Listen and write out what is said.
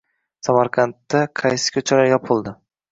Samarqandda qaysi ko‘chalar yopildi?